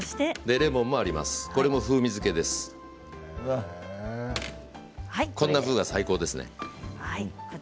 こんな工夫が最高ですね。